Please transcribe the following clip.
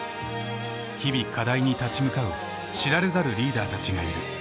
日々課題に立ち向かう知られざるリーダーたちがいる。